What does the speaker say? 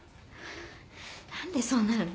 何でそうなるの？